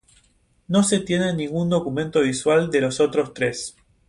No se tiene ningún documento visual de los otros tres.